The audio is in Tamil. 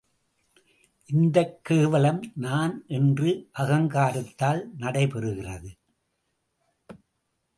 இந்தக் கேவலம் நான் என்ற அகங்காரத்தால் நடைபெறுகிறது.